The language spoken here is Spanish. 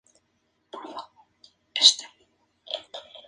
Un año más tarde, los Colts perderían en segunda fase de los playoffs.